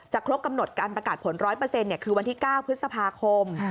จะครบกำหนดการประกาศผลร้อยเปอร์เซนต์เนี่ยคือวันที่ก้าวพฤษภาคม